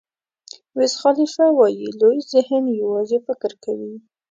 ویز خالیفه وایي لوی ذهن یوازې فکر کوي.